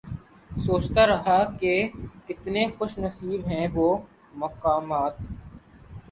سوچتا رہا کہ کتنے خوش نصیب ہیں وہ مقامات